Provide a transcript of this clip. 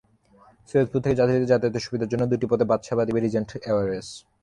সৈয়দপুর থেকে যাত্রীদের যাতায়াতের সুবিধার জন্য দুটি পথে বাসসেবা দেবে রিজেন্ট এয়ারওয়েজ।